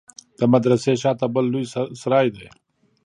د مدرسې شا ته بل لوى سراى دى.